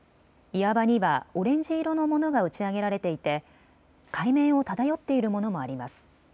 岩場にはオレンジ色のものが打ち上げられていて海面を漂っているものもあります。